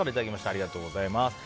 ありがとうございます。